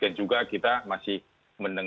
korban krisis tersebut tienen